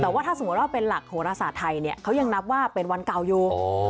แต่ว่าถ้าสมมุติว่าเป็นหลักโหรศาสตร์ไทยเนี่ยเขายังนับว่าเป็นวันเก่าอยู่